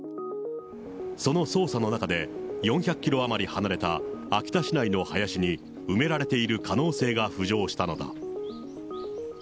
その捜査の中で、４００キロ余り離れた秋田市内の林に埋められている可能性が浮上したのだ。